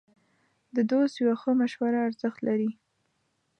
د دوست یوه ښه مشوره ارزښت لري.